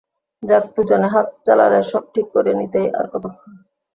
যাক, দুজনে হাত চালালে সব ঠিক করে নিতেই আর কতক্ষণ।